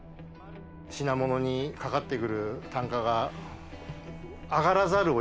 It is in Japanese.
品物にかかってくる単価が上がらざるを得ないという。